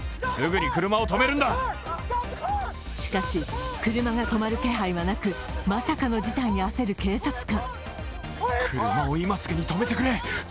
しかし車が止まる気配はなくまさかの事態に焦る警察官。